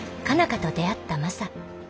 花と出会ったマサ。